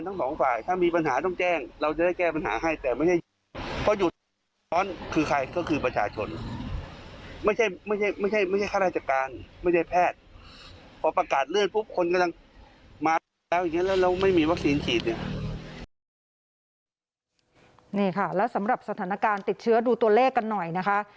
นี่ค่ะแล้วสำหรับสถานการณ์ติดเชื้อดูตัวเลขกันหน่อยนะคะ